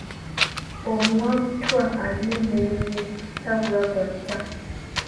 Omuwabutwa alina emmere ye tabulwa gw’atta.